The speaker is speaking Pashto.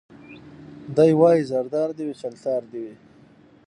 دی وايي زردار دي وي چلتار دي وي